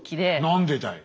何でだい！